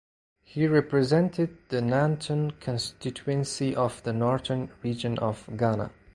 He represented the Nanton constituency of the Northern region of Ghana.